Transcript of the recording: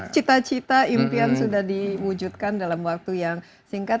cita cita impian sudah diwujudkan dalam waktu yang singkat